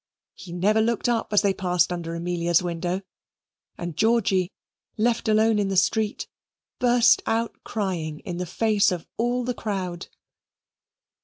He never looked up as they passed under Amelia's window, and Georgy, left alone in the street, burst out crying in the face of all the crowd.